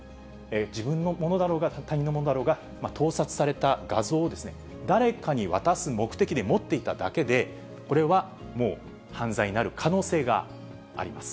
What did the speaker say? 自分のものだろうが、他人のものだろうが、盗撮された画像を誰かに渡す目的で持っていただけで、これはもう犯罪になる可能性があります。